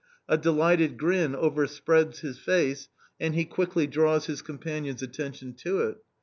A delighted grin overspreads his face and he quickly draws his companion's attention to it.